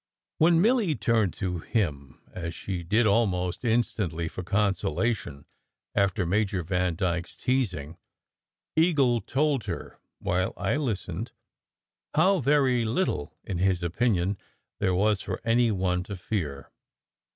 When Milly turned to him, as she did almost instantly, for consolation after Major Vandyke s teasing, Eagle told her, while I listened, how very little, in his opinion, there was for any one to fear.